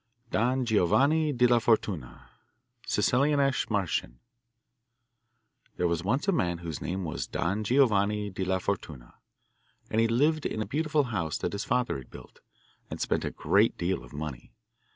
Don Giovanni De La Fortuna Sicilianische Mahrchen There was once a man whose name was Don Giovanni de la Fortuna, and he lived in a beautiful house that his father had built, and spent a great deal of money.